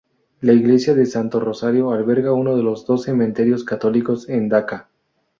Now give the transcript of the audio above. La Iglesia del Santo Rosario alberga uno de los dos cementerios católicos en Daca.